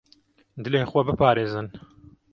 Dilê xwe biparêzin.